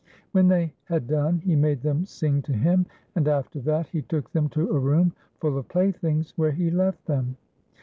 When they had done he made them sing to him, and after that he took them to a room full of playthings, where he left them.